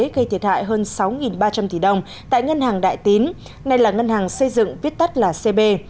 gây thiệt hại hơn sáu ba trăm linh tỷ đồng tại ngân hàng đại tín nay là ngân hàng xây dựng viết tắt là cb